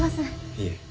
いえ。